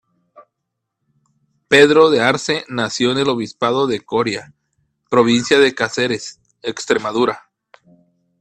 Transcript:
Pedro de Arze nació en el obispado de Coria, Provincia de Cáceres, Extremadura.